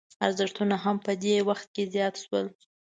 اورښتونه هم په دې وخت کې زیات شول.